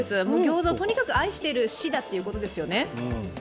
ギョーザをとにかく愛している市だということですよね。